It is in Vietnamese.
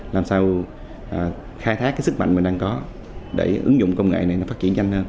làm sao khai thác sức mạnh mình đang có để ứng dụng công nghệ này phát triển nhanh hơn